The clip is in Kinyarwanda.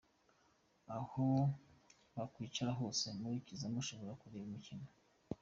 Aho wakwicara hose muri Tizama ushobora kureba imikino.